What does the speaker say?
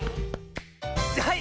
はい！